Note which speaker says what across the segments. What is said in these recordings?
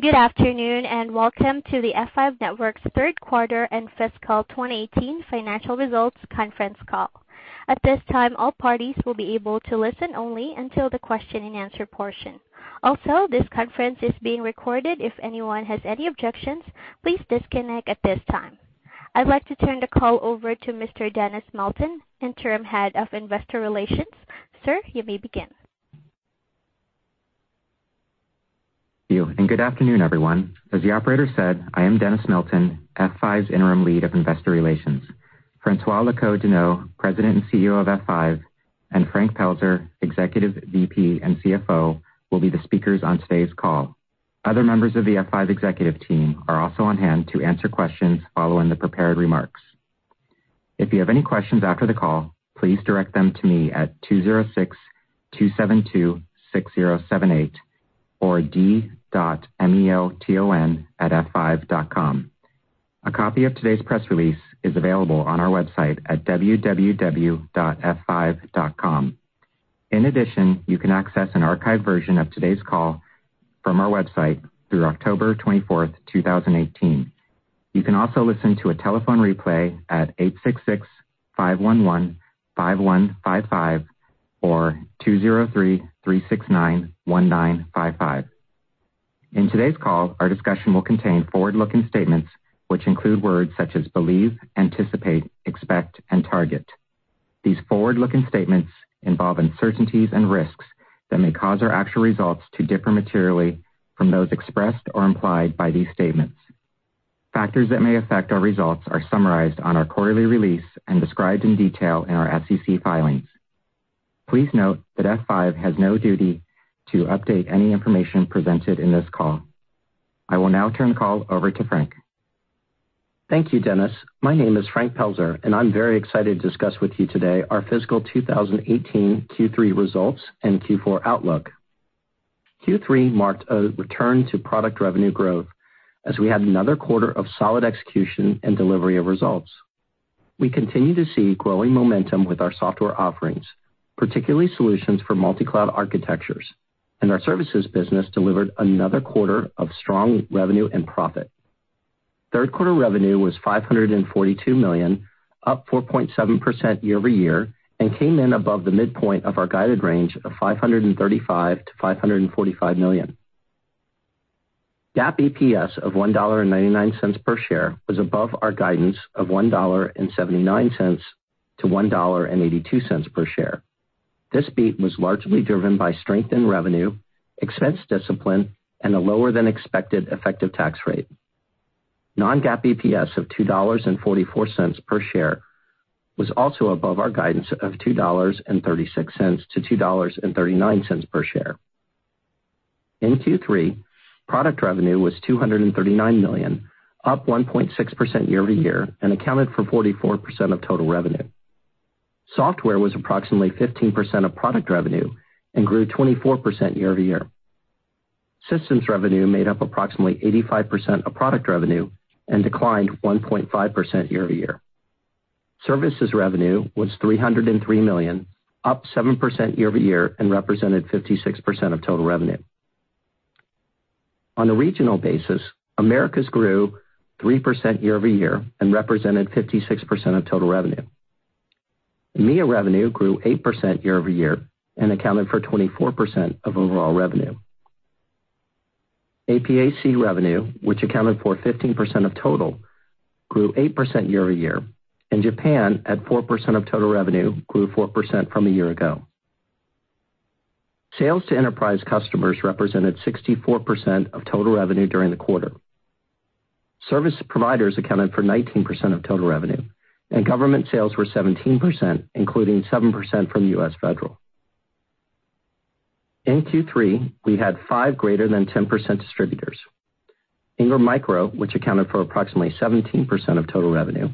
Speaker 1: Good afternoon, and welcome to the F5, Inc. third quarter and fiscal 2018 financial results conference call. At this time, all parties will be able to listen only until the question and answer portion. Also, this conference is being recorded. If anyone has any objections, please disconnect at this time. I'd like to turn the call over to Mr. Dennis Melton, Interim Head of Investor Relations. Sir, you may begin.
Speaker 2: Thank you, and good afternoon, everyone. As the operator said, I am Dennis Melton, F5's Interim Lead of Investor Relations. François Locoh-Donou, President and CEO of F5, and Frank Pelzer, Executive VP and CFO, will be the speakers on today's call. Other members of the F5 executive team are also on hand to answer questions following the prepared remarks. If you have any questions after the call, please direct them to me at 206-272-6078 or d.melton@f5.com. A copy of today's press release is available on our website at www.f5.com. In addition, you can access an archived version of today's call from our website through October 24th, 2018. You can also listen to a telephone replay at 866-511-5155 or 203-369-1955. In today's call, our discussion will contain forward-looking statements, which include words such as believe, anticipate, expect, and target. These forward-looking statements involve uncertainties and risks that may cause our actual results to differ materially from those expressed or implied by these statements. Factors that may affect our results are summarized on our quarterly release and described in detail in our SEC filings. Please note that F5 has no duty to update any information presented in this call. I will now turn the call over to Frank.
Speaker 3: Thank you, Dennis. My name is Frank Pelzer, and I'm very excited to discuss with you today our fiscal 2018 Q3 results and Q4 outlook. Q3 marked a return to product revenue growth as we had another quarter of solid execution and delivery of results. We continue to see growing momentum with our software offerings, particularly solutions for multi-cloud architectures, and our services business delivered another quarter of strong revenue and profit. Third-quarter revenue was $542 million, up 4.7% year-over-year, and came in above the midpoint of our guided range of $535 million-$545 million. GAAP EPS of $1.99 per share was above our guidance of $1.79-$1.82 per share. This beat was largely driven by strength in revenue, expense discipline, and a lower-than-expected effective tax rate. Non-GAAP EPS of $2.44 per share was also above our guidance of $2.36-$2.39 per share. In Q3, product revenue was $239 million, up 1.6% year-over-year, and accounted for 44% of total revenue. Software was approximately 15% of product revenue and grew 24% year-over-year. Systems revenue made up approximately 85% of product revenue and declined 1.5% year-over-year. Services revenue was $303 million, up 7% year-over-year, and represented 56% of total revenue. On a regional basis, Americas grew 3% year-over-year and represented 56% of total revenue. EMEA revenue grew 8% year-over-year and accounted for 24% of overall revenue. APAC revenue, which accounted for 15% of total, grew 8% year-over-year, and Japan, at 4% of total revenue, grew 4% from a year ago. Sales to enterprise customers represented 64% of total revenue during the quarter. Service providers accounted for 19% of total revenue, and government sales were 17%, including 7% from US Federal. In Q3, we had five greater than 10% distributors. Ingram Micro, which accounted for approximately 17% of total revenue,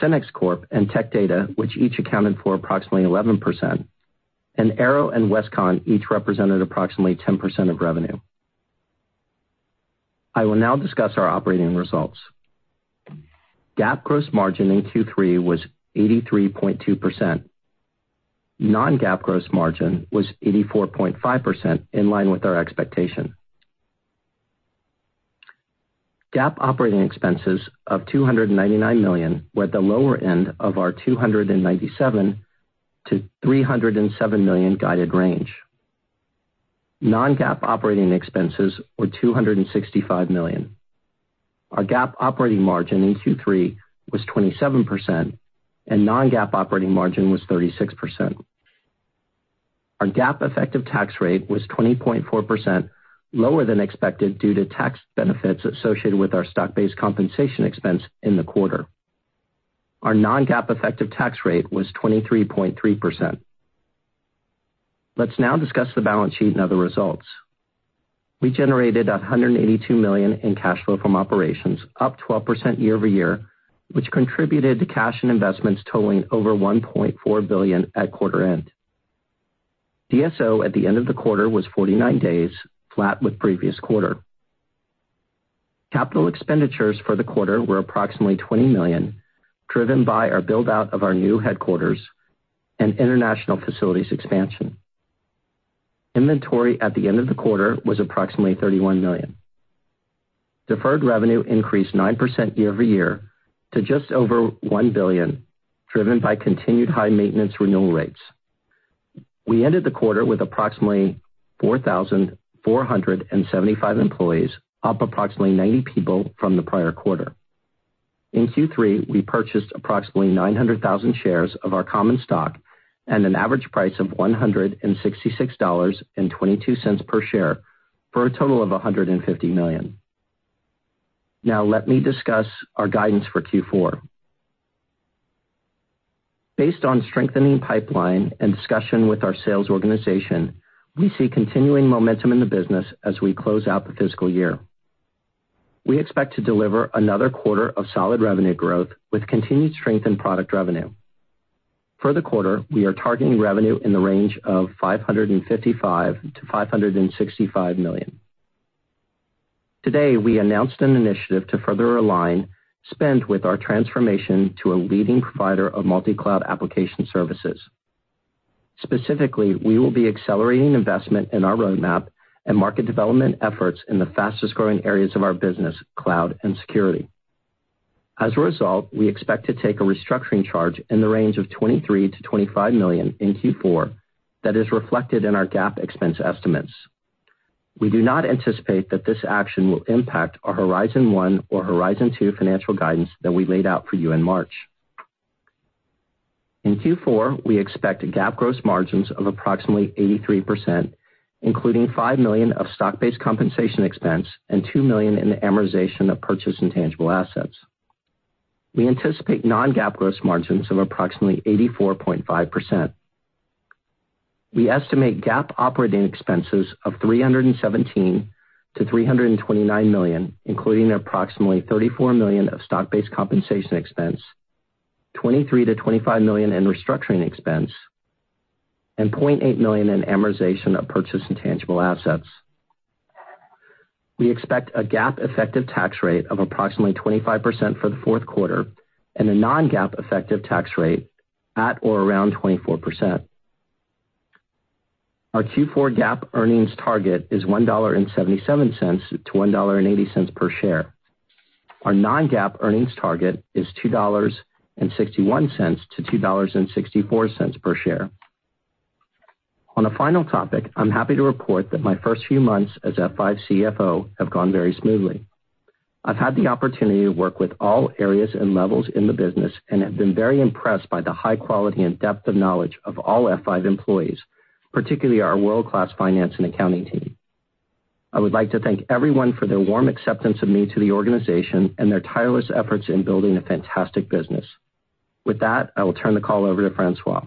Speaker 3: SYNNEX Corp and Tech Data, which each accounted for approximately 11%, Arrow and Westcon each represented approximately 10% of revenue. I will now discuss our operating results. GAAP gross margin in Q3 was 83.2%. Non-GAAP gross margin was 84.5%, in line with our expectation. GAAP operating expenses of $299 million were at the lower end of our $297 million-$307 million guided range. Non-GAAP operating expenses were $265 million. Our GAAP operating margin in Q3 was 27%, and non-GAAP operating margin was 36%. Our GAAP effective tax rate was 20.4%, lower than expected due to tax benefits associated with our stock-based compensation expense in the quarter. Our non-GAAP effective tax rate was 23.3%. Let's now discuss the balance sheet and other results. We generated $182 million in cash flow from operations, up 12% year-over-year, which contributed to cash and investments totaling over $1.4 billion at quarter end. DSO at the end of the quarter was 49 days, flat with the previous quarter. Capital expenditures for the quarter were approximately $20 million, driven by our build-out of our new headquarters and international facilities expansion. Inventory at the end of the quarter was approximately $31 million. Deferred revenue increased 9% year-over-year to just over $1 billion, driven by continued high maintenance renewal rates. We ended the quarter with approximately 4,475 employees, up approximately 90 people from the prior quarter. In Q3, we purchased approximately 900,000 shares of our common stock at an average price of $166.22 per share for a total of $150 million. Now let me discuss our guidance for Q4. Based on strengthening pipeline and discussion with our sales organization, we see continuing momentum in the business as we close out the fiscal year. We expect to deliver another quarter of solid revenue growth with continued strength in product revenue. For the quarter, we are targeting revenue in the range of $555 million-$565 million. Today, we announced an initiative to further align spend with our transformation to a leading provider of multicloud application services. Specifically, we will be accelerating investment in our roadmap and market development efforts in the fastest-growing areas of our business, cloud and security. As a result, we expect to take a restructuring charge in the range of $23 million-$25 million in Q4 that is reflected in our GAAP expense estimates. We do not anticipate that this action will impact our Horizon One or Horizon Two financial guidance that we laid out for you in March. In Q4, we expect GAAP gross margins of approximately 83%, including $5 million of stock-based compensation expense and $2 million in the amortization of purchased intangible assets. We anticipate non-GAAP gross margins of approximately 84.5%. We estimate GAAP operating expenses of $317 million-$329 million, including approximately $34 million of stock-based compensation expense, $23 million-$25 million in restructuring expense, and $0.8 million in amortization of purchased intangible assets. We expect a GAAP effective tax rate of approximately 25% for the fourth quarter and a non-GAAP effective tax rate at or around 24%. Our Q4 GAAP earnings target is $1.77-$1.80 per share. Our non-GAAP earnings target is $2.61-$2.64 per share. On a final topic, I am happy to report that my first few months as F5 CFO have gone very smoothly. I have had the opportunity to work with all areas and levels in the business and have been very impressed by the high quality and depth of knowledge of all F5 employees, particularly our world-class finance and accounting team. I would like to thank everyone for their warm acceptance of me to the organization and their tireless efforts in building a fantastic business. With that, I will turn the call over to François.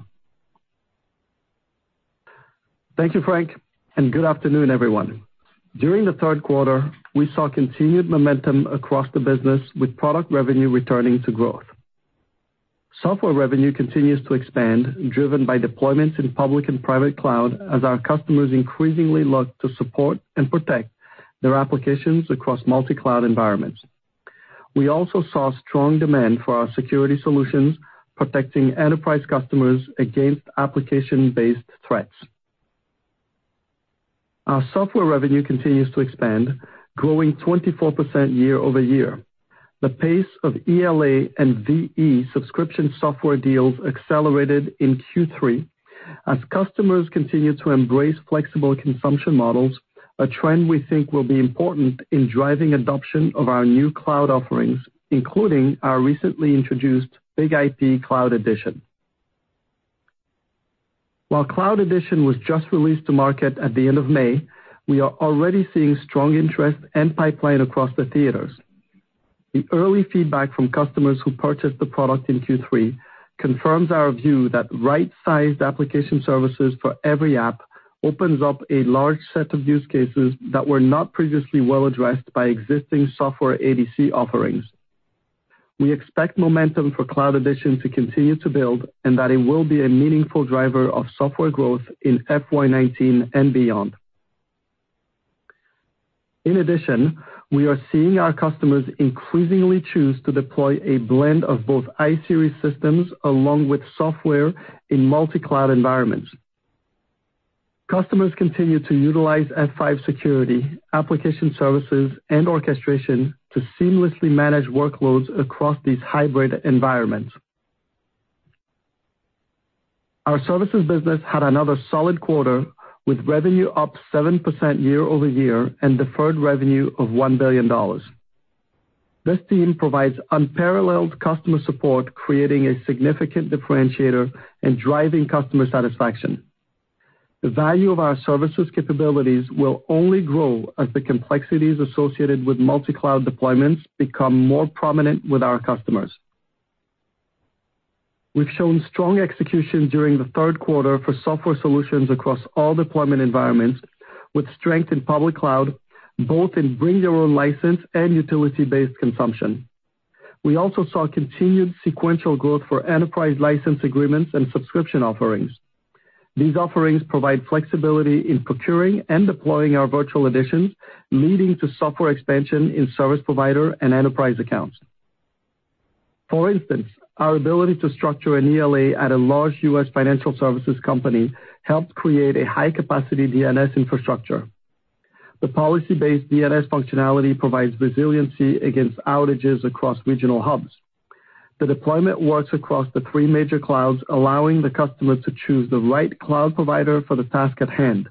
Speaker 4: Thank you, Frank, and good afternoon, everyone. During the third quarter, we saw continued momentum across the business with product revenue returning to growth. Software revenue continues to expand, driven by deployments in public and private cloud as our customers increasingly look to support and protect their applications across multi-cloud environments. We also saw strong demand for our security solutions, protecting enterprise customers against application-based threats. Our software revenue continues to expand, growing 24% year-over-year. The pace of ELA and VE subscription software deals accelerated in Q3 as customers continue to embrace flexible consumption models, a trend we think will be important in driving adoption of our new cloud offerings, including our recently introduced BIG-IP Cloud Edition. While Cloud Edition was just released to market at the end of May, we are already seeing strong interest and pipeline across the theaters. The early feedback from customers who purchased the product in Q3 confirms our view that right-sized application services for every app opens up a large set of use cases that were not previously well addressed by existing software ADC offerings. We expect momentum for Cloud Edition to continue to build and that it will be a meaningful driver of software growth in FY 2019 and beyond. In addition, we are seeing our customers increasingly choose to deploy a blend of both iSeries systems along with software in multi-cloud environments. Customers continue to utilize F5 security, application services, and orchestration to seamlessly manage workloads across these hybrid environments. Our services business had another solid quarter, with revenue up 7% year-over-year and deferred revenue of $1 billion. This team provides unparalleled customer support, creating a significant differentiator and driving customer satisfaction. The value of our services capabilities will only grow as the complexities associated with multi-cloud deployments become more prominent with our customers. We've shown strong execution during the third quarter for software solutions across all deployment environments, with strength in public cloud, both in bring your own license and utility-based consumption. We also saw continued sequential growth for enterprise license agreements and subscription offerings. These offerings provide flexibility in procuring and deploying our virtual editions, leading to software expansion in service provider and enterprise accounts. For instance, our ability to structure an ELA at a large U.S. financial services company helped create a high-capacity DNS infrastructure. The policy-based DNS functionality provides resiliency against outages across regional hubs. The deployment works across the three major clouds, allowing the customer to choose the right cloud provider for the task at hand.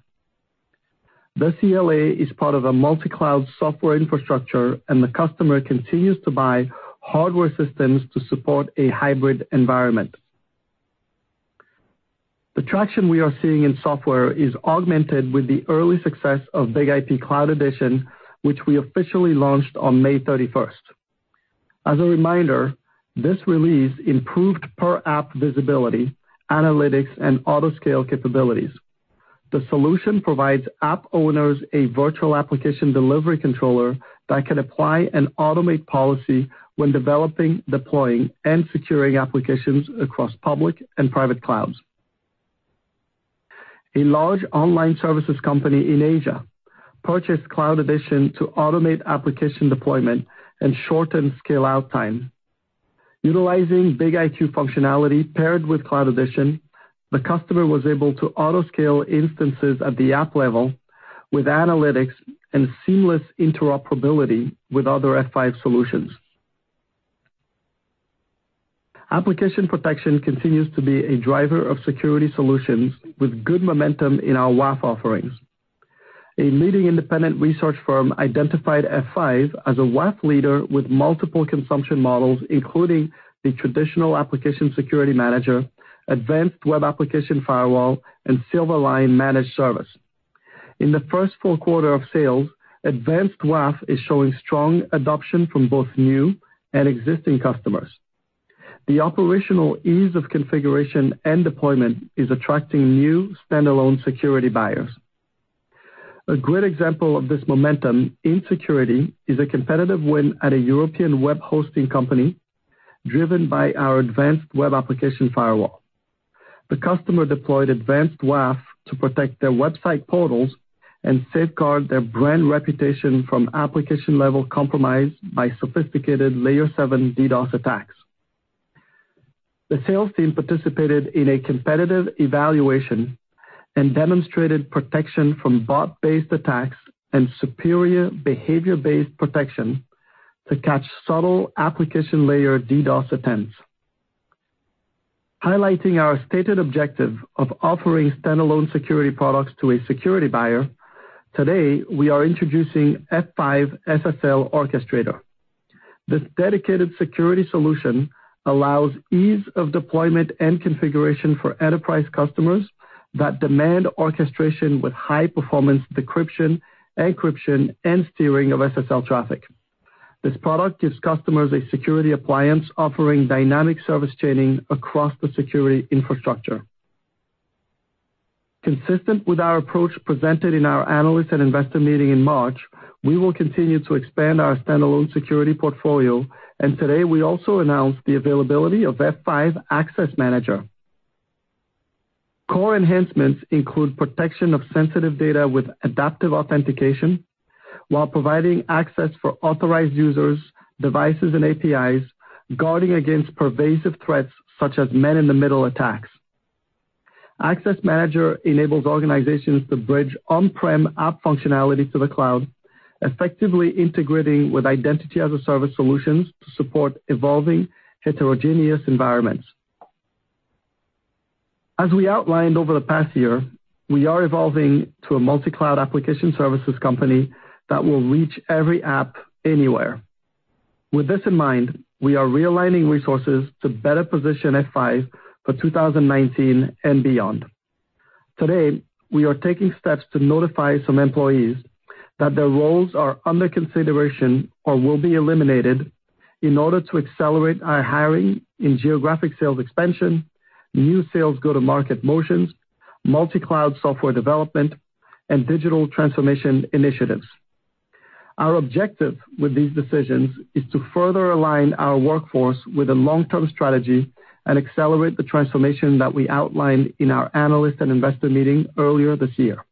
Speaker 4: This ELA is part of a multi-cloud software infrastructure, the customer continues to buy hardware systems to support a hybrid environment. The traction we are seeing in software is augmented with the early success of BIG-IP Cloud Edition, which we officially launched on May 31st. As a reminder, this release improved per-app visibility, analytics, and auto-scale capabilities. The solution provides app owners a virtual application delivery controller that can apply an automate policy when developing, deploying, and securing applications across public and private clouds. A large online services company in Asia purchased Cloud Edition to automate application deployment and shorten scale-out time. Utilizing BIG-IQ functionality paired with Cloud Edition, the customer was able to auto-scale instances at the app level with analytics and seamless interoperability with other F5 solutions. Application protection continues to be a driver of security solutions with good momentum in our WAF offerings. A leading independent research firm identified F5 as a WAF leader with multiple consumption models, including the traditional Application Security Manager, Advanced Web Application Firewall, and Silverline managed service. In the first full quarter of sales, Advanced WAF is showing strong adoption from both new and existing customers. The operational ease of configuration and deployment is attracting new standalone security buyers. A great example of this momentum in security is a competitive win at a European web hosting company driven by our Advanced Web Application Firewall. The customer deployed Advanced WAF to protect their website portals and safeguard their brand reputation from application-level compromise by sophisticated layer seven DDoS attacks. The sales team participated in a competitive evaluation and demonstrated protection from bot-based attacks and superior behavior-based protection to catch subtle application layer DDoS attempts. Highlighting our stated objective of offering standalone security products to a security buyer, today, we are introducing F5 SSL Orchestrator. This dedicated security solution allows ease of deployment and configuration for enterprise customers that demand orchestration with high-performance decryption, encryption, and steering of SSL traffic. This product gives customers a security appliance offering dynamic service chaining across the security infrastructure. Consistent with our approach presented in our analyst and investor meeting in March, we will continue to expand our standalone security portfolio, today we also announced the availability of F5 Access Manager. Core enhancements include protection of sensitive data with adaptive authentication while providing access for authorized users, devices, and APIs, guarding against pervasive threats such as men-in-the-middle attacks. Access Manager enables organizations to bridge on-prem app functionality to the cloud, effectively integrating with identity-as-a-service solutions to support evolving heterogeneous environments. As we outlined over the past year, we are evolving to a multi-cloud application services company that will reach every app anywhere. With this in mind, we are realigning resources to better position F5 for 2019 and beyond. Today, we are taking steps to notify some employees that their roles are under consideration or will be eliminated in order to accelerate our hiring in geographic sales expansion, new sales go-to-market motions, multi-cloud software development, and digital transformation initiatives. Our objective with these decisions is to further align our workforce with a long-term strategy and accelerate the transformation that we outlined in our analyst and investor meeting earlier this year.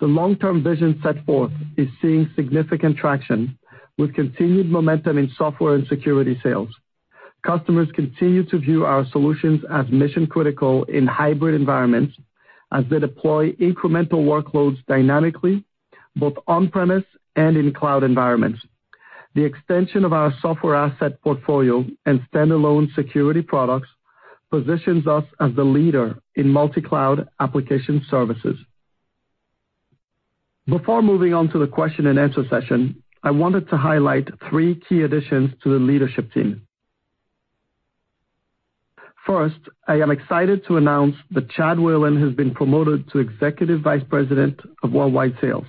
Speaker 4: The long-term vision set forth is seeing significant traction with continued momentum in software and security sales. Customers continue to view our solutions as mission-critical in hybrid environments as they deploy incremental workloads dynamically, both on-premise and in cloud environments. The extension of our software asset portfolio and standalone security products positions us as the leader in multi-cloud application services. Before moving on to the question and answer session, I wanted to highlight three key additions to the leadership team. First, I am excited to announce that Chad Whalen has been promoted to Executive Vice President of Worldwide Sales.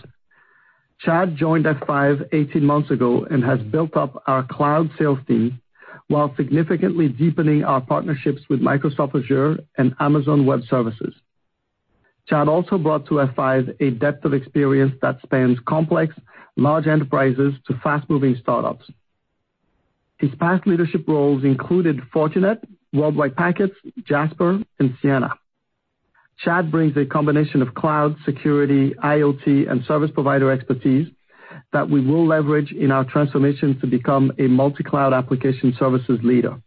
Speaker 4: Chad joined F5 18 months ago and has built up our cloud sales team while significantly deepening our partnerships with Microsoft Azure and Amazon Web Services. Chad also brought to F5 a depth of experience that spans complex large enterprises to fast-moving startups. His past leadership roles included Fortinet, World Wide Packets, Jasper, and Ciena. Chad brings a combination of cloud, security, IoT, and service provider expertise that we will leverage in our transformation to become a multi-cloud application services leader.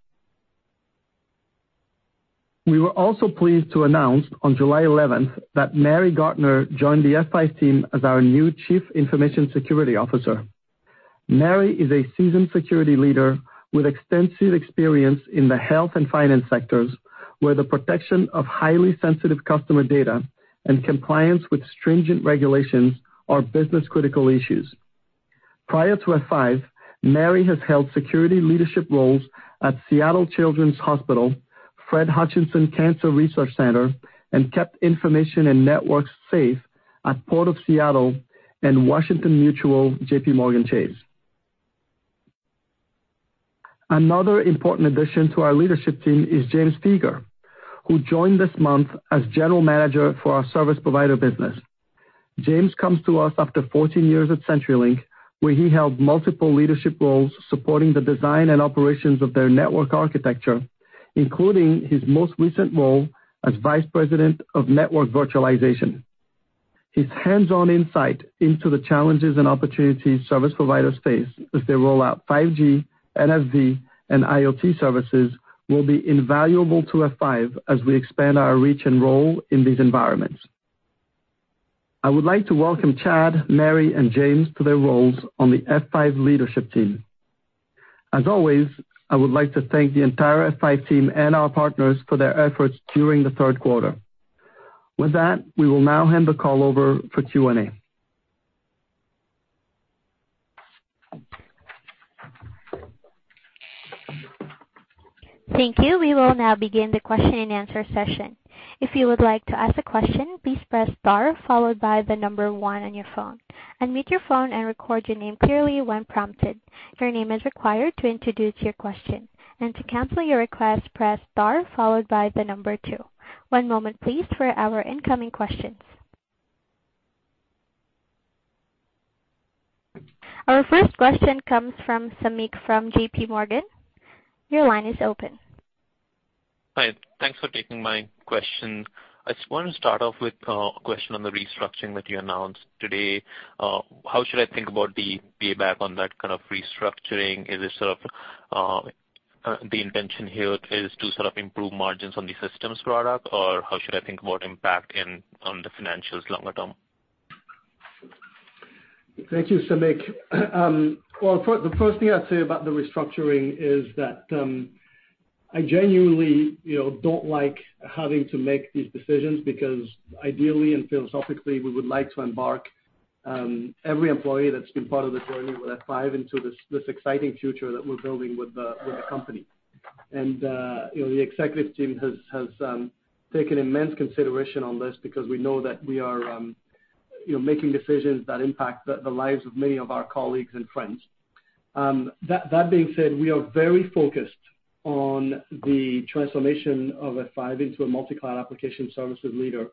Speaker 4: We were also pleased to announce on July 11th that Mary Gardner joined the F5 team as our new Chief Information Security Officer. Mary is a seasoned security leader with extensive experience in the health and finance sectors, where the protection of highly sensitive customer data and compliance with stringent regulations are business-critical issues. Prior to F5, Mary has held security leadership roles at Seattle Children's, Fred Hutchinson Cancer Center, and kept information and networks safe at Port of Seattle and Washington Mutual, JPMorgan Chase. Another important addition to our leadership team is James Feger, who joined this month as General Manager for our service provider business. James comes to us after 14 years at CenturyLink, where he held multiple leadership roles supporting the design and operations of their network architecture, including his most recent role as Vice President of Network Virtualization. His hands-on insight into the challenges and opportunities service providers face as they roll out 5G, NFV, and IoT services will be invaluable to F5 as we expand our reach and role in these environments. I would like to welcome Chad, Mary, and James to their roles on the F5 leadership team. As always, I would like to thank the entire F5 team and our partners for their efforts during the third quarter. With that, we will now hand the call over for Q&A.
Speaker 1: Thank you. We will now begin the question and answer session. If you would like to ask a question, please press star followed by the number 1 on your phone. Unmute your phone and record your name clearly when prompted. Your name is required to introduce your question. To cancel your request, press star followed by the number 2. One moment, please, for our incoming questions. Our first question comes from Samik from JPMorgan. Your line is open.
Speaker 5: Hi. Thanks for taking my question. I just want to start off with a question on the restructuring that you announced today. How should I think about the payback on that kind of restructuring? Is the intention here is to sort of improve margins on the systems product, or how should I think about impact on the financials longer term?
Speaker 4: Thank you, Sameek. Well, the first thing I'd say about the restructuring is that I genuinely don't like having to make these decisions because ideally and philosophically, we would like to embark every employee that's been part of the journey with F5 into this exciting future that we're building with the company. The executive team has taken immense consideration on this because we know that we are making decisions that impact the lives of many of our colleagues and friends. That being said, we are very focused on the transformation of F5 into a multicloud application services leader.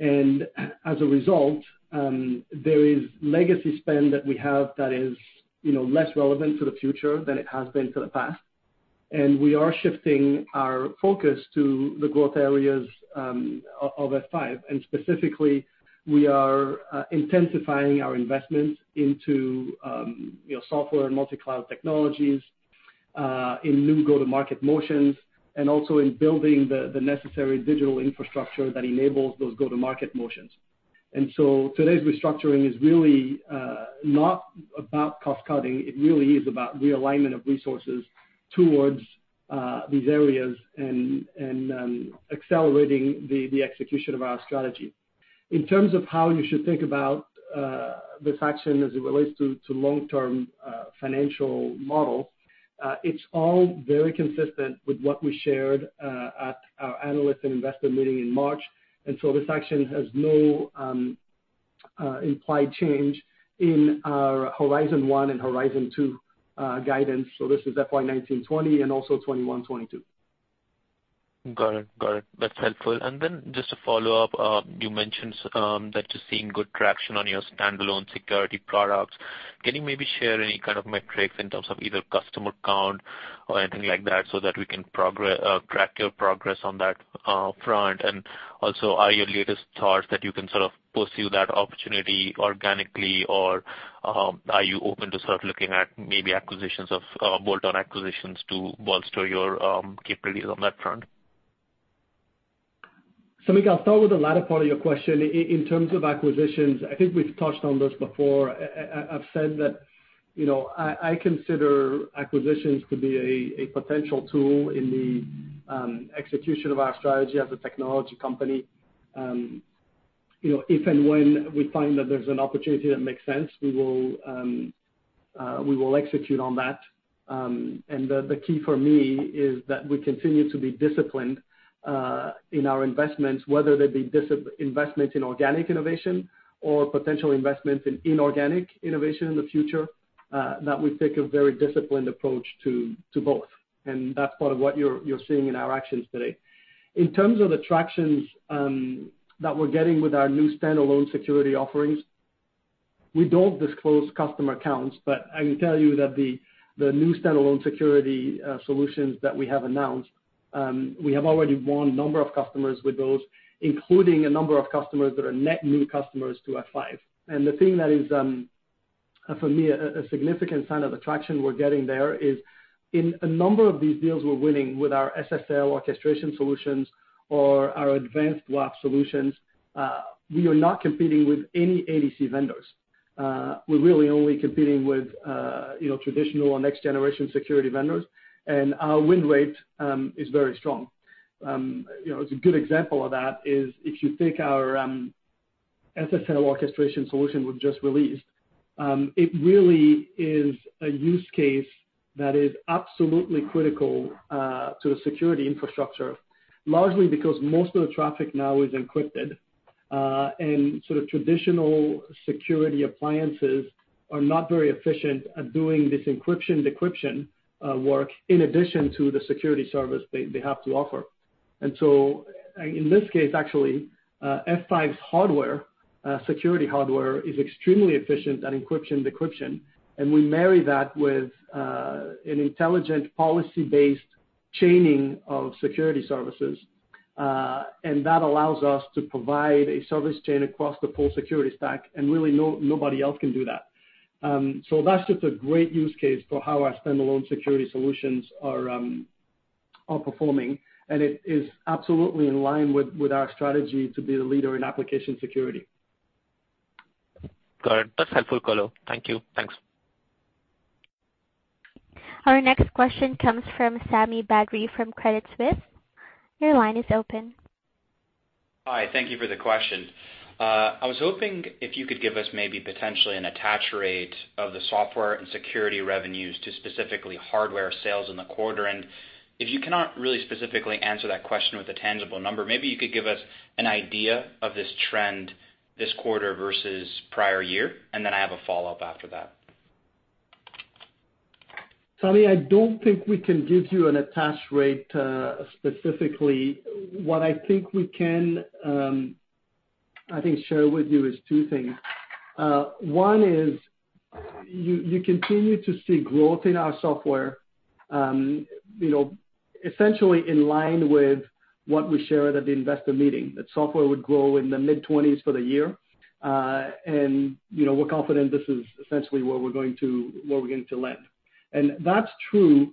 Speaker 4: As a result, there is legacy spend that we have that is less relevant to the future than it has been to the past. We are shifting our focus to the growth areas of F5. Specifically, we are intensifying our investments into software and multicloud technologies, in new go-to-market motions, and also in building the necessary digital infrastructure that enables those go-to-market motions. Today's restructuring is really not about cost-cutting. It really is about realignment of resources towards these areas and accelerating the execution of our strategy. In terms of how you should think about this action as it relates to long-term financial model, it's all very consistent with what we shared at our analyst and investor meeting in March. This action has no implied change in our Horizon One and Horizon Two guidance. So this is FY 2019-2020 and also 2021-2022.
Speaker 5: Got it. That's helpful. Then just to follow up, you mentioned that you're seeing good traction on your standalone security products. Can you maybe share any kind of metrics in terms of either customer count or anything like that so that we can track your progress on that front? Also, are your latest thoughts that you can sort of pursue that opportunity organically, or are you open to start looking at maybe bolt-on acquisitions to bolster your capabilities on that front?
Speaker 4: Samik, I'll start with the latter part of your question. In terms of acquisitions, I think we've touched on this before. I've said that I consider acquisitions to be a potential tool in the execution of our strategy as a technology company. If and when we find that there's an opportunity that makes sense, we will execute on that. The key for me is that we continue to be disciplined in our investments, whether they be investment in organic innovation or potential investment in inorganic innovation in the future. That we take a very disciplined approach to both, and that's part of what you're seeing in our actions today. In terms of the traction that we're getting with our new standalone security offerings, we don't disclose customer counts, but I can tell you that the new standalone security solutions that we have announced, we have already won number of customers with those, including a number of customers that are net new customers to F5. The thing that is, for me, a significant sign of attraction we're getting there is in a number of these deals we're winning with our SSL orchestration solutions or our Advanced WAF solutions, we are not competing with any ADC vendors. We're really only competing with traditional or next-generation security vendors, and our win rate is very strong. A good example of that is if you take our SSL orchestration solution we've just released, it really is a use case that is absolutely critical to the security infrastructure, largely because most of the traffic now is encrypted. Traditional security appliances are not very efficient at doing this encryption/decryption work in addition to the security service they have to offer. In this case, actually, F5's security hardware is extremely efficient at encryption/decryption, and we marry that with an intelligent policy-based chaining of security services, and that allows us to provide a service chain across the full security stack, and really, nobody else can do that. That's just a great use case for how our standalone security solutions are performing, and it is absolutely in line with our strategy to be the leader in application security.
Speaker 5: Got it. That's helpful color. Thank you. Thanks.
Speaker 1: Our next question comes from Sami Badri from Credit Suisse. Your line is open.
Speaker 6: Hi, thank you for the question. I was hoping if you could give us maybe potentially an attach rate of the software and security revenues to specifically hardware sales in the quarter. If you cannot really specifically answer that question with a tangible number, maybe you could give us an idea of this trend this quarter versus prior year. I have a follow-up after that.
Speaker 4: Sami, I don't think we can give you an attach rate specifically. What I think we can share with you is two things. One is you continue to see growth in our software, essentially in line with what we shared at the investor meeting, that software would grow in the mid-20s for the year. We're confident this is essentially where we're going to land. That's true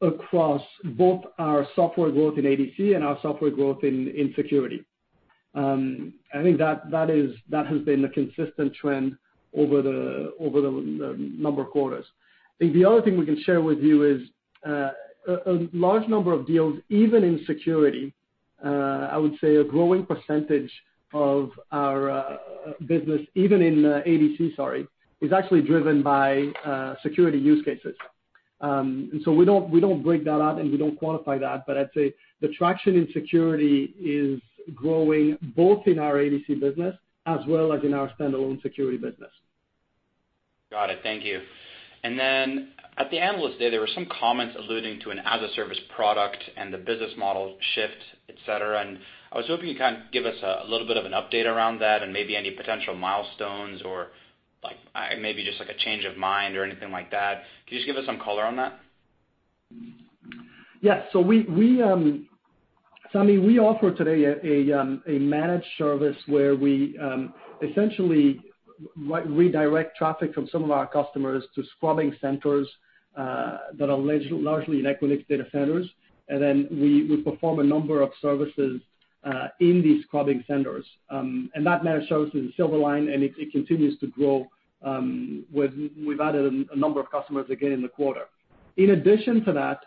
Speaker 4: across both our software growth in ADC and our software growth in security. I think that has been a consistent trend over the number of quarters. I think the other thing we can share with you is a large number of deals, even in security, I would say a growing percentage of our business, even in ADC, sorry, is actually driven by security use cases. We don't break that out, and we don't quantify that, but I'd say the traction in security is growing both in our ADC business as well as in our standalone security business.
Speaker 6: Got it. Thank you. At the Analyst Day, there were some comments alluding to an as-a-service product and the business model shift, et cetera, and I was hoping you can give us a little bit of an update around that and maybe any potential milestones or maybe just like a change of mind or anything like that. Could you just give us some color on that?
Speaker 4: Sami, we offer today a managed service where we essentially redirect traffic from some of our customers to scrubbing centers that are largely in Equinix data centers, then we perform a number of services in these scrubbing centers. That managed service is a Silverline, and it continues to grow. We've added a number of customers again in the quarter. In addition to that,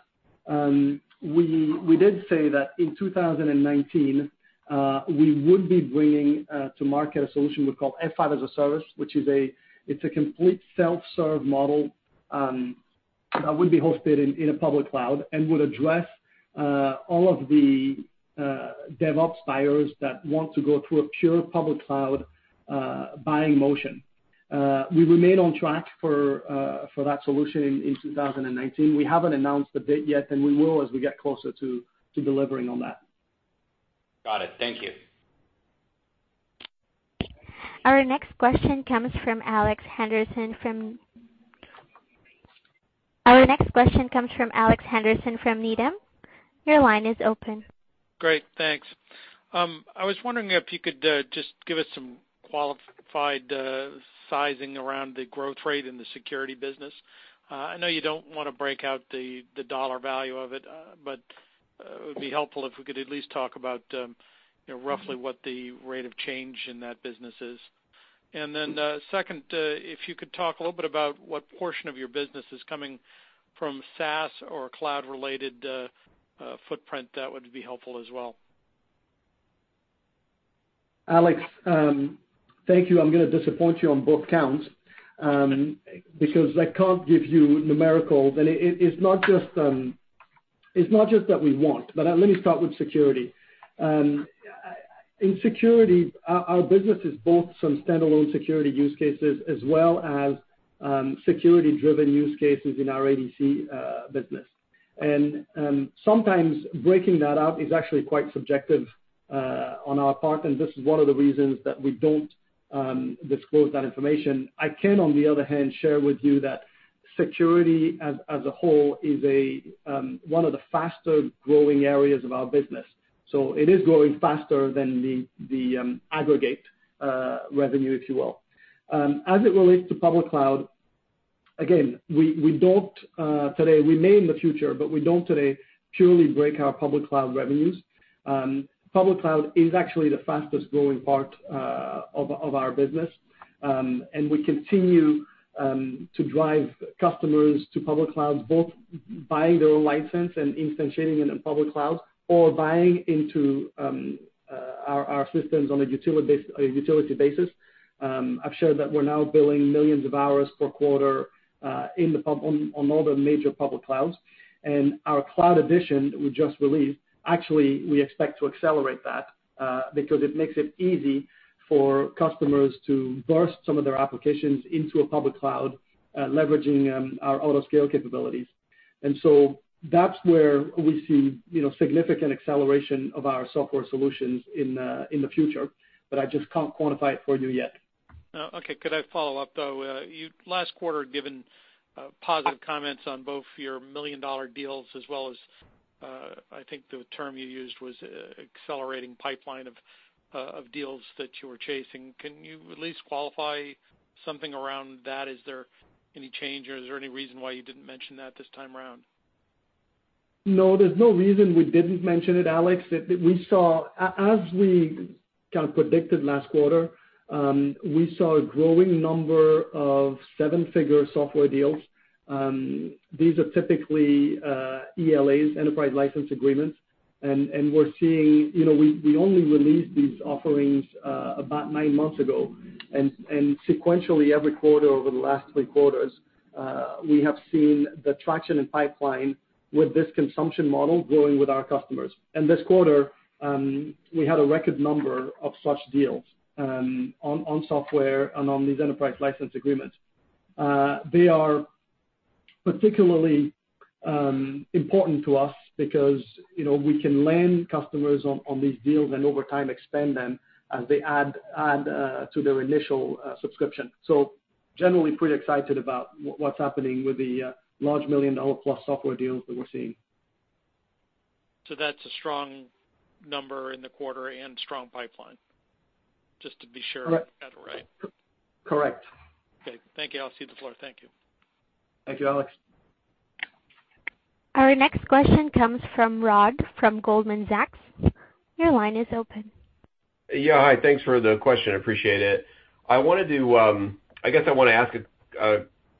Speaker 4: we did say that in 2019, we would be bringing to market a solution we call F5 as a Service, which is a complete self-serve model that would be hosted in a public cloud and would address all of the DevOps buyers that want to go through a pure public cloud buying motion. We remain on track for that solution in 2019. We haven't announced the date yet, and we will as we get closer to delivering on that.
Speaker 6: Got it. Thank you.
Speaker 1: Our next question comes from Alex Henderson from Needham. Your line is open.
Speaker 7: Great, thanks. I was wondering if you could just give us some qualified sizing around the growth rate in the security business. I know you don't want to break out the dollar value of it, but it would be helpful if we could at least talk about roughly what the rate of change in that business is. Second, if you could talk a little bit about what portion of your business is coming from SaaS or cloud-related footprint, that would be helpful as well.
Speaker 4: Alex, thank you. I'm going to disappoint you on both counts, because I can't give you numerical. It's not just that we won't, but let me start with security. In security, our business is both some standalone security use cases as well as security-driven use cases in our ADC business. Sometimes breaking that out is actually quite subjective on our part, and this is one of the reasons that we don't disclose that information. I can, on the other hand, share with you that security as a whole is one of the faster-growing areas of our business. It is growing faster than the aggregate revenue, if you will. As it relates to public cloud, again, we may in the future, but we don't today purely break our public cloud revenues. Public cloud is actually the fastest-growing part of our business. We continue to drive customers to public clouds, both buying their own license and instantiating it in public clouds or buying into our systems on a utility basis. I've shared that we're now billing millions of hours per quarter on all the major public clouds. Our Cloud Edition we just released, actually, we expect to accelerate that because it makes it easy for customers to burst some of their applications into a public cloud, leveraging our auto-scale capabilities. That's where we see significant acceleration of our software solutions in the future, but I just can't quantify it for you yet.
Speaker 7: Okay. Could I follow up, though? You, last quarter, had given positive comments on both your million-dollar deals as well as, I think the term you used was accelerating pipeline of deals that you were chasing. Can you at least qualify something around that? Is there any change or is there any reason why you didn't mention that this time around?
Speaker 4: No, there's no reason we didn't mention it, Alex. As we kind of predicted last quarter, we saw a growing number of seven-figure software deals. These are typically ELAs, enterprise license agreements. We only released these offerings about nine months ago, and sequentially every quarter over the last three quarters, we have seen the traction in pipeline with this consumption model growing with our customers. This quarter, we had a record number of such deals on software and on these enterprise license agreements. They are particularly important to us because we can land customers on these deals and over time expand them as they add to their initial subscription. Generally pretty excited about what's happening with the large million-dollar-plus software deals that we're seeing.
Speaker 7: That's a strong number in the quarter and strong pipeline, just to be sure I got it right.
Speaker 4: Correct.
Speaker 7: Okay, thank you. I'll cede the floor. Thank you.
Speaker 4: Thank you, Alex.
Speaker 1: Our next question comes from Rod, from Goldman Sachs. Your line is open.
Speaker 8: Yeah. Hi, thanks for the question, appreciate it. I guess I want to ask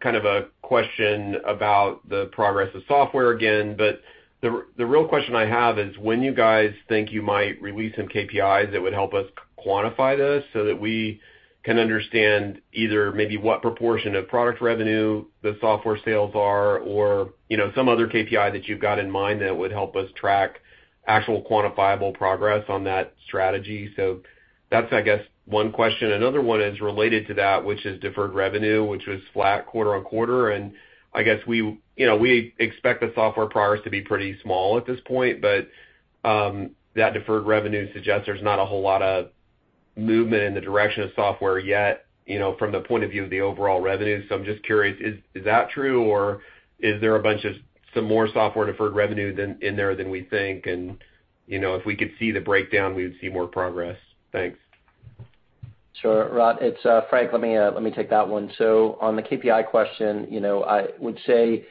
Speaker 8: kind of a question about the progress of software again, but the real question I have is when you guys think you might release some KPIs that would help us quantify this so that we can understand either maybe what proportion of product revenue the software sales are or some other KPI that you've got in mind that would help us track actual quantifiable progress on that strategy. That's, I guess, one question. Another one is related to that, which is deferred revenue, which was flat quarter-on-quarter, and I guess we expect the software progress to be pretty small at this point, but that deferred revenue suggests there's not a whole lot of movement in the direction of software yet from the point of view of the overall revenue. I'm just curious, is that true, or is there a bunch of some more software deferred revenue in there than we think, and if we could see the breakdown, we would see more progress? Thanks.
Speaker 3: Sure, Rod. It's Frank. Let me take that one. On the KPI question, I would say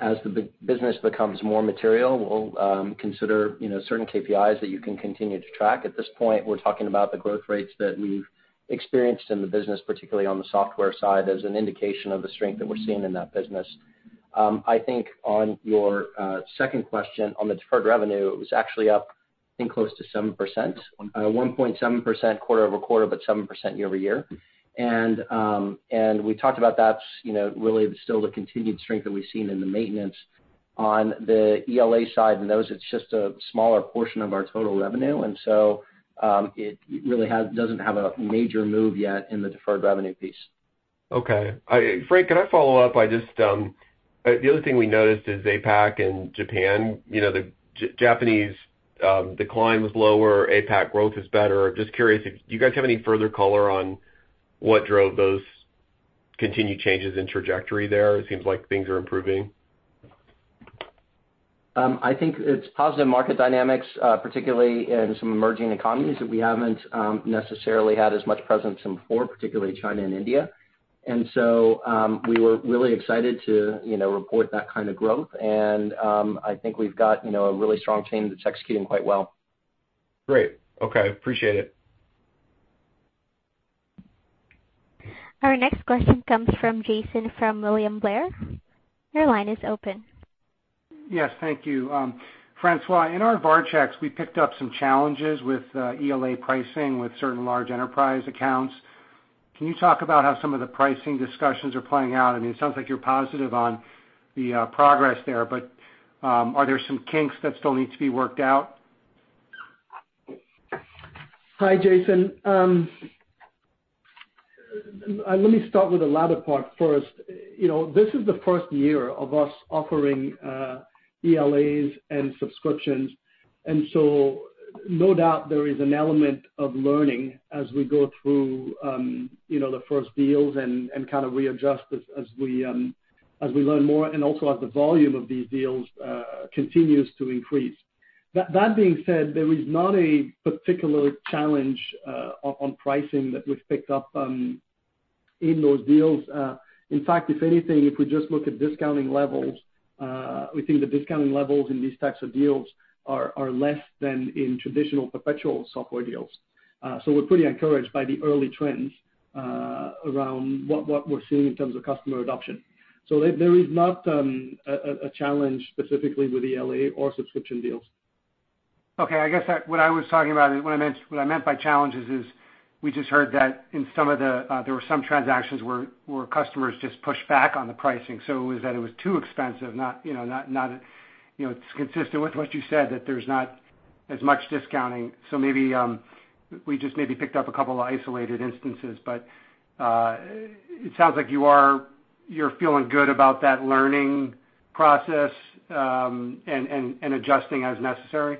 Speaker 3: as the business becomes more material, we'll consider certain KPIs that you can continue to track. At this point, we're talking about the growth rates that we've experienced in the business, particularly on the software side, as an indication of the strength that we're seeing in that business. I think on your second question on the deferred revenue, it was actually up I think close to 7%, 1.7% quarter-over-quarter, but 7% year-over-year. We talked about that's really still the continued strength that we've seen in the maintenance on the ELA side and those, it's just a smaller portion of our total revenue. It really doesn't have a major move yet in the deferred revenue piece.
Speaker 8: Okay. Frank, can I follow up? The other thing we noticed is APAC and Japan, the Japanese decline was lower, APAC growth is better. Just curious if you guys have any further color on what drove those continued changes in trajectory there. It seems like things are improving.
Speaker 3: I think it's positive market dynamics, particularly in some emerging economies that we haven't necessarily had as much presence in before, particularly China and India. We were really excited to report that kind of growth and I think we've got a really strong team that's executing quite well.
Speaker 8: Great. Okay, appreciate it.
Speaker 1: Our next question comes from Jason, from William Blair. Your line is open.
Speaker 9: Yes. Thank you. François, in our var checks, we picked up some challenges with ELA pricing with certain large enterprise accounts. Can you talk about how some of the pricing discussions are playing out? It sounds like you're positive on the progress there, but are there some kinks that still need to be worked out?
Speaker 4: Hi, Jason. Let me start with the latter part first. This is the first year of us offering ELAs and subscriptions, no doubt there is an element of learning as we go through the first deals and kind of readjust as we learn more and also as the volume of these deals continues to increase. That being said, there is not a particular challenge on pricing that we've picked up in those deals. In fact, if anything, if we just look at discounting levels, we think the discounting levels in these types of deals are less than in traditional perpetual software deals. We're pretty encouraged by the early trends around what we're seeing in terms of customer adoption. There is not a challenge specifically with ELA or subscription deals.
Speaker 9: Okay. I guess what I meant by challenges is we just heard that there were some transactions where customers just pushed back on the pricing. It was that it was too expensive. It's consistent with what you said, that there's not as much discounting. Maybe we just picked up a couple of isolated instances. It sounds like you're feeling good about that learning process and adjusting as necessary.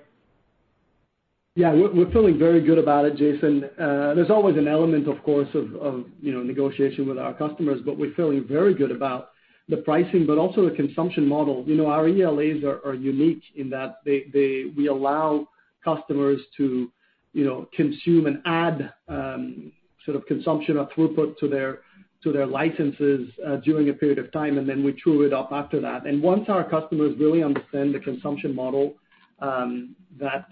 Speaker 4: Yeah, we're feeling very good about it, Jason. There's always an element, of course, of negotiation with our customers, but we're feeling very good about the pricing, but also the consumption model. Our ELAs are unique in that we allow customers to consume and add sort of consumption or throughput to their licenses during a period of time, then we true it up after that. Once our customers really understand the consumption model that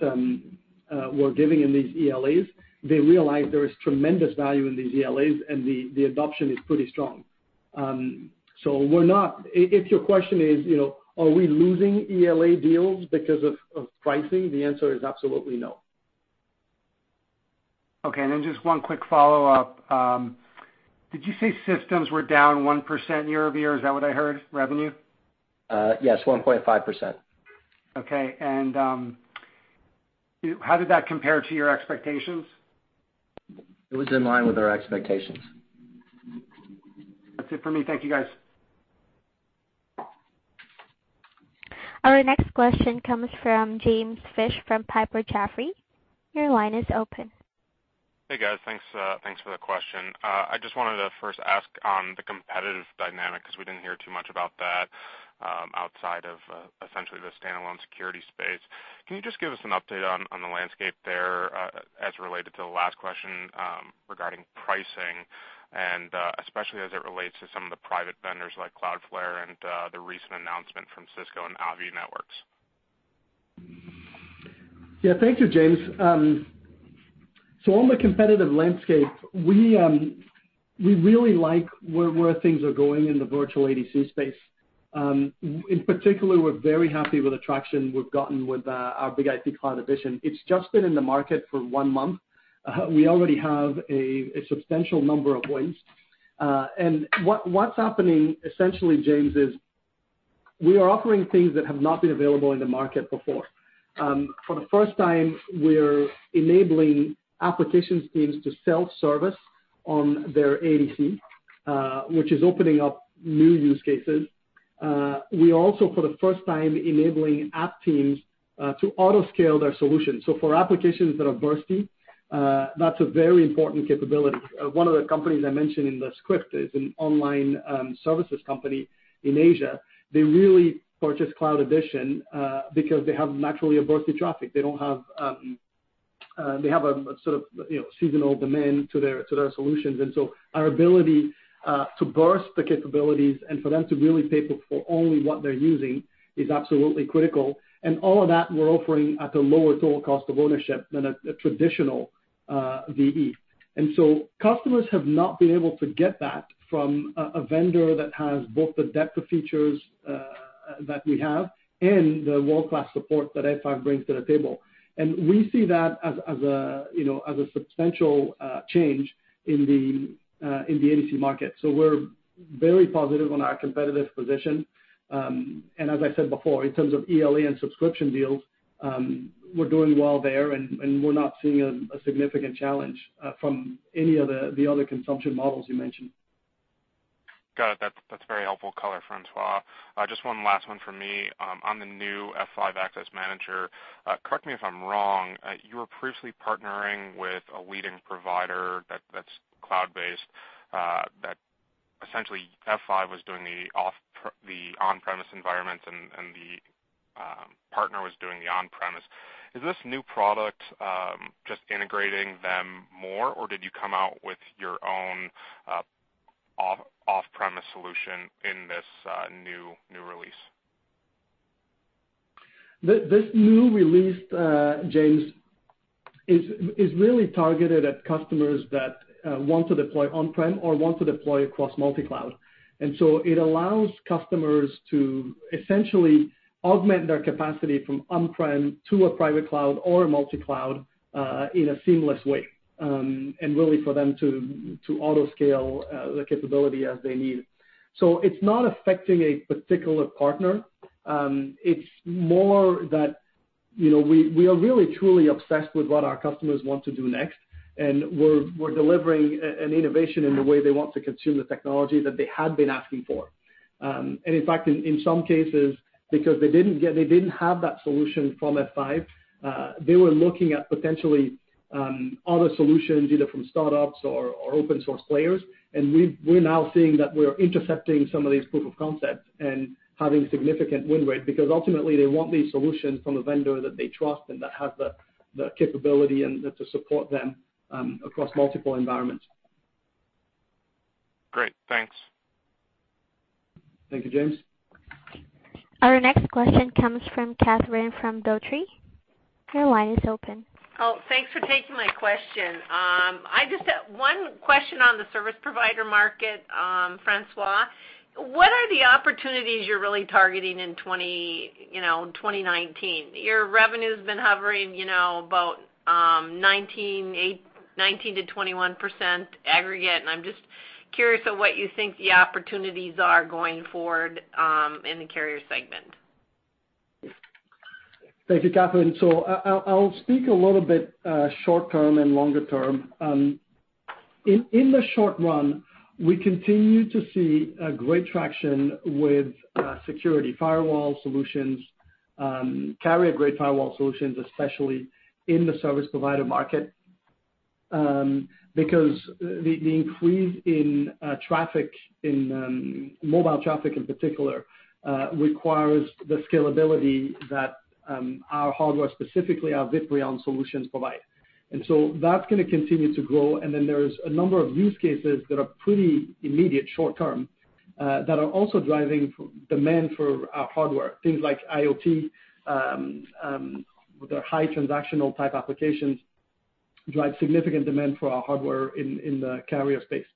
Speaker 4: we're giving in these ELAs, they realize there is tremendous value in these ELAs, and the adoption is pretty strong. If your question is are we losing ELA deals because of pricing, the answer is absolutely no.
Speaker 9: Okay, just one quick follow-up. Did you say systems were down 1% year-over-year? Is that what I heard? Revenue?
Speaker 3: Yes, 1.5%.
Speaker 9: Okay. How did that compare to your expectations?
Speaker 3: It was in line with our expectations.
Speaker 9: That's it for me. Thank you, guys.
Speaker 1: Our next question comes from James Fish from Piper Jaffray. Your line is open.
Speaker 10: Hey, guys. Thanks for the question. I just wanted to first ask on the competitive dynamic, because we didn't hear too much about that outside of essentially the standalone security space. Can you just give us an update on the landscape there as related to the last question regarding pricing and especially as it relates to some of the private vendors like Cloudflare and the recent announcement from Cisco and Avi Networks?
Speaker 4: Thank you, James. On the competitive landscape, we really like where things are going in the virtual ADC space. In particular, we're very happy with the traction we've gotten with our BIG-IP Cloud Edition. It's just been in the market for one month. We already have a substantial number of wins. What's happening essentially, James, is we are offering things that have not been available in the market before. For the first time, we're enabling application teams to self-service on their ADC, which is opening up new use cases. We also, for the first time, enabling app teams to auto-scale their solutions. For applications that are bursty, that's a very important capability. One of the companies I mentioned in the script is an online services company in Asia. They really purchased Cloud Edition because they have naturally a bursty traffic. They have a sort of seasonal demand to their solutions. Our ability to burst the capabilities and for them to really pay for only what they're using is absolutely critical. All of that we're offering at a lower total cost of ownership than a traditional VE. Customers have not been able to get that from a vendor that has both the depth of features that we have and the world-class support that F5 brings to the table. We see that as a substantial change in the ADC market. We're very positive on our competitive position. As I said before, in terms of ELA and subscription deals, we're doing well there, and we're not seeing a significant challenge from any of the other consumption models you mentioned.
Speaker 10: Got it. That's very helpful color, François. Just one last one from me on the new F5 Access Manager. Correct me if I'm wrong, you were previously partnering with a leading provider that's cloud-based, that essentially F5 was doing the on-premise environment, and the partner was doing the on-premise. Is this new product just integrating them more, or did you come out with your own off-premise solution in this new release?
Speaker 4: This new release, James, is really targeted at customers that want to deploy on-prem or want to deploy across multi-cloud. It allows customers to essentially augment their capacity from on-prem to a private cloud or a multi-cloud in a seamless way, and really for them to auto-scale the capability as they need. It's not affecting a particular partner. It's more that we are really truly obsessed with what our customers want to do next, and we're delivering an innovation in the way they want to consume the technology that they had been asking for. In fact, in some cases, because they didn't have that solution from F5, they were looking at potentially other solutions, either from startups or open source players. We're now seeing that we're intercepting some of these proof of concepts and having significant win rate, because ultimately, they want these solutions from a vendor that they trust and that have the capability to support them across multiple environments.
Speaker 10: Great. Thanks.
Speaker 4: Thank you, James.
Speaker 1: Our next question comes from Catharine from Dougherty. Your line is open.
Speaker 11: Thanks for taking my question. I just have one question on the service provider market, François. What are the opportunities you're really targeting in 2019? Your revenue's been hovering about 19%-21% aggregate, I'm just curious of what you think the opportunities are going forward in the carrier segment.
Speaker 4: Thank you, Catharine. I'll speak a little bit short-term and longer-term. In the short run, we continue to see a great traction with security firewall solutions, carrier-grade firewall solutions, especially in the service provider market. Because the increase in traffic, in mobile traffic in particular, requires the scalability that our hardware, specifically our VIPRION solutions provide. That's going to continue to grow, there's a number of use cases that are pretty immediate short-term, that are also driving demand for our hardware. Things like IoT with their high transactional type applications drive significant demand for our hardware in the carrier space.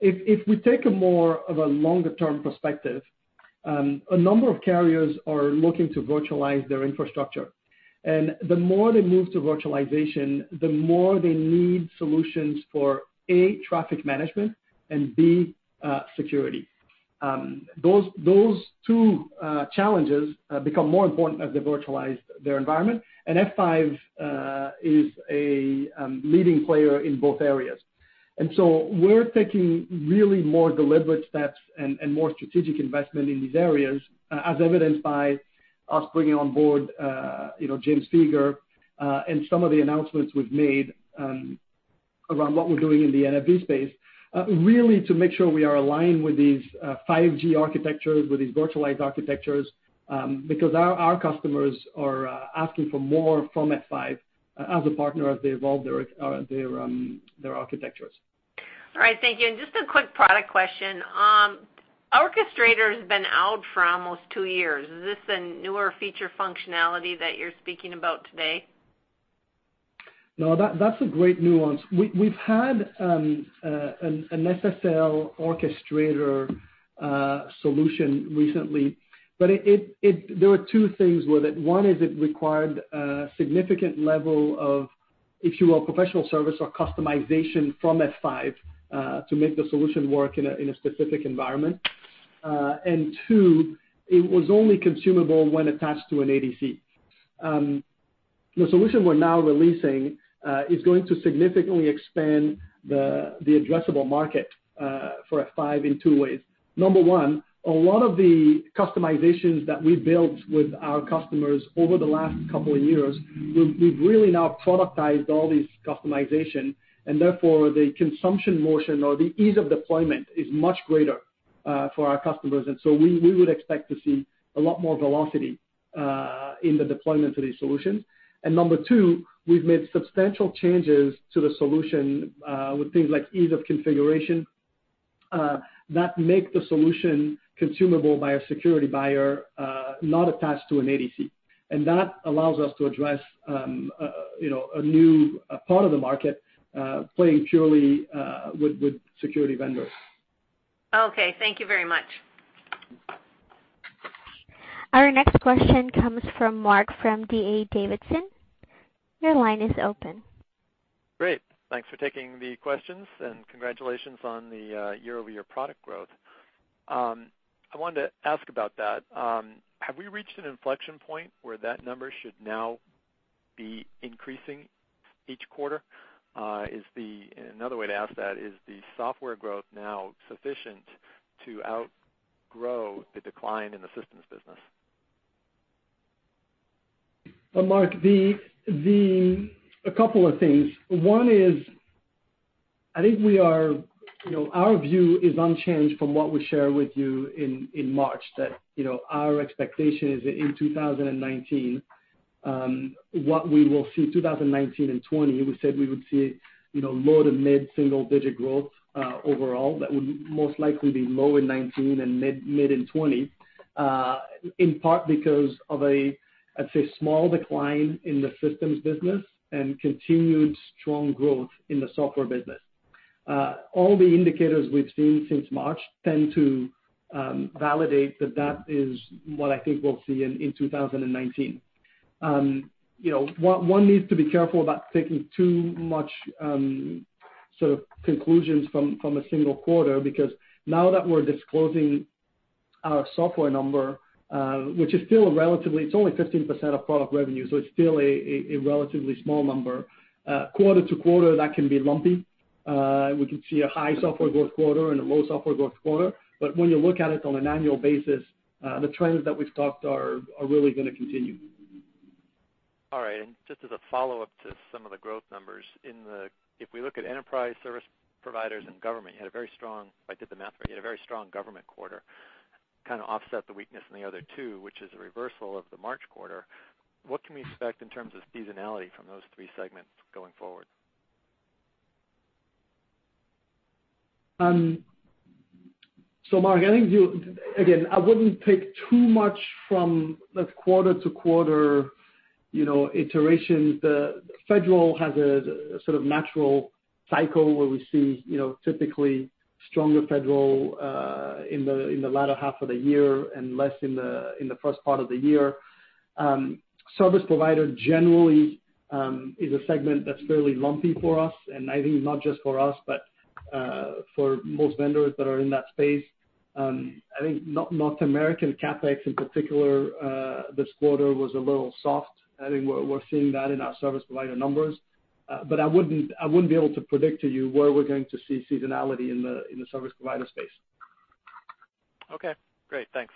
Speaker 4: If we take a more of a longer-term perspective, a number of carriers are looking to virtualize their infrastructure. The more they move to virtualization, the more they need solutions for, A, traffic management and, B, security. Those two challenges become more important as they virtualize their environment, F5 is a leading player in both areas. We're taking really more deliberate steps and more strategic investment in these areas, as evidenced by us bringing on board James Feger, some of the announcements we've made around what we're doing in the NFV space, really to make sure we are aligned with these 5G architectures, with these virtualized architectures, because our customers are asking for more from F5 as a partner as they evolve their architectures.
Speaker 11: All right. Thank you. Just a quick product question. Orchestrator's been out for almost two years. Is this a newer feature functionality that you're speaking about today?
Speaker 4: No, that's a great nuance. We've had an SSL Orchestrator solution recently, but there were two things with it. One is it required a significant level of, if you will, professional service or customization from F5 to make the solution work in a specific environment. 2, it was only consumable when attached to an ADC. The solution we're now releasing is going to significantly expand the addressable market for F5 in two ways. Number 1, a lot of the customizations that we built with our customers over the last couple of years, we've really now productized all these customization, and therefore, the consumption motion or the ease of deployment is much greater for our customers. We would expect to see a lot more velocity in the deployment of these solutions. Number 2, we've made substantial changes to the solution with things like ease of configuration that make the solution consumable by a security buyer not attached to an ADC. That allows us to address a new part of the market playing purely with security vendors.
Speaker 11: Okay. Thank you very much.
Speaker 1: Our next question comes from Mark from D.A. Davidson. Your line is open.
Speaker 12: Great. Thanks for taking the questions. Congratulations on the year-over-year product growth. I wanted to ask about that. Have we reached an inflection point where that number should now be increasing each quarter? Another way to ask that, is the software growth now sufficient to outgrow the decline in the systems business?
Speaker 4: Well, Mark, a couple of things. One is, I think our view is unchanged from what we shared with you in March, that our expectation is that in 2019 and 2020, we said we would see low to mid-single-digit growth overall. That would most likely be low in 2019 and mid in 2020, in part because of, let's say, a small decline in the systems business and continued strong growth in the software business. All the indicators we've seen since March tend to validate that is what I think we'll see in 2019. One needs to be careful about taking too much conclusions from a single quarter, because now that we're disclosing our software number, which is only 15% of product revenue, so it's still a relatively small number. Quarter-to-quarter, that can be lumpy. We could see a high software growth quarter and a low software growth quarter. When you look at it on an annual basis, the trends that we've talked are really going to continue.
Speaker 12: All right. Just as a follow-up to some of the growth numbers, if we look at enterprise service providers and government, if I did the math right, you had a very strong government quarter, kind of offset the weakness in the other two, which is a reversal of the March quarter. What can we expect in terms of seasonality from those three segments going forward?
Speaker 4: Mark, again, I wouldn't take too much from the quarter-to-quarter iterations. The Federal has a sort of natural cycle where we see typically stronger Federal in the latter half of the year and less in the first part of the year. Service Provider generally is a segment that's fairly lumpy for us, and I think not just for us, but for most vendors that are in that space. I think North American CapEx in particular this quarter was a little soft. I think we're seeing that in our Service Provider numbers. I wouldn't be able to predict to you where we're going to see seasonality in the Service Provider space.
Speaker 12: Okay, great. Thanks.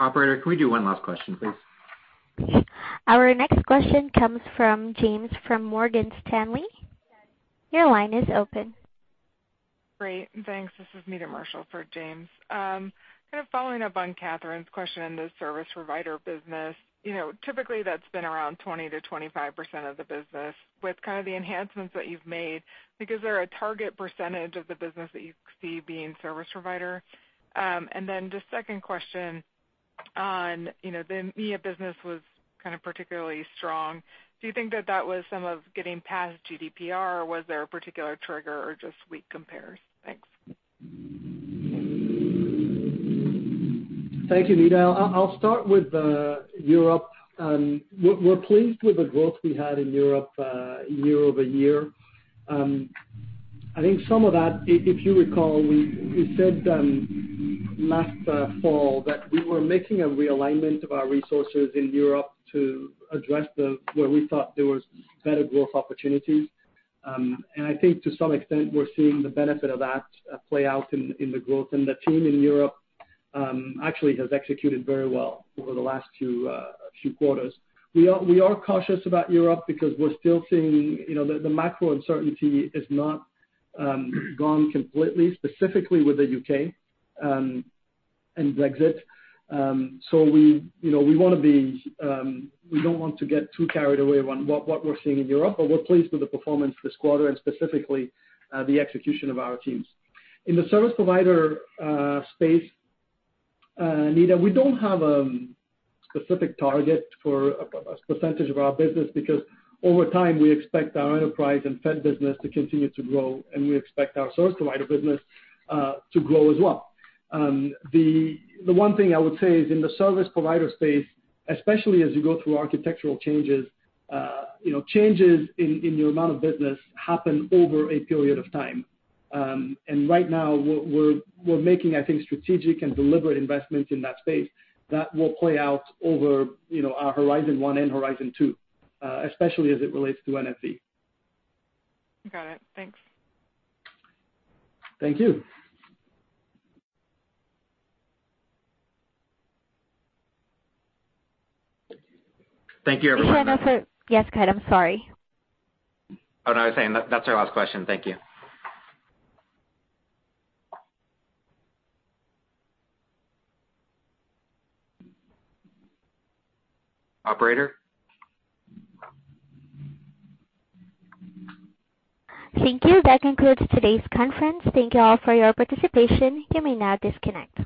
Speaker 2: Operator, could we do one last question, please?
Speaker 1: Our next question comes from James from Morgan Stanley. Your line is open.
Speaker 13: Great. Thanks. This is Meta Marshall for James. Kind of following up on Catharine's question in the service provider business. Typically that's been around 20%-25% of the business. With the enhancements that you've made, is there a target percentage of the business that you see being service provider? The second question on the EMEA business was kind of particularly strong. Do you think that that was some of getting past GDPR, or was there a particular trigger or just weak compares? Thanks.
Speaker 4: Thank you, Meta. I'll start with Europe. We're pleased with the growth we had in Europe year-over-year. I think some of that, if you recall, we said last fall that we were making a realignment of our resources in Europe to address where we thought there was better growth opportunities. I think to some extent, we're seeing the benefit of that play out in the growth. The team in Europe actually has executed very well over the last few quarters. We are cautious about Europe because we're still seeing the macro uncertainty is not gone completely, specifically with the U.K. and Brexit. We don't want to get too carried away on what we're seeing in Europe, but we're pleased with the performance this quarter and specifically the execution of our teams. In the service provider space, Meta, we don't have a specific target for a percentage of our business because over time, we expect our enterprise and Fed business to continue to grow, and we expect our service provider business to grow as well. The one thing I would say is in the service provider space, especially as you go through architectural changes in your amount of business happen over a period of time. Right now we're making, I think, strategic and deliberate investments in that space that will play out over our Horizon One and Horizon Two, especially as it relates to NFV.
Speaker 13: Got it. Thanks.
Speaker 4: Thank you.
Speaker 2: Thank you, everyone.
Speaker 1: Yes, Chad, I'm sorry.
Speaker 2: No, I was saying that's our last question. Thank you. Operator?
Speaker 1: Thank you. That concludes today's conference. Thank you all for your participation. You may now disconnect.